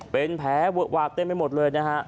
เป็นแผลวากเต้นไม่หมดเลยนะฮะ